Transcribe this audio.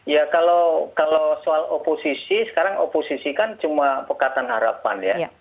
ya kalau soal oposisi sekarang oposisi kan cuma pekatan harapan ya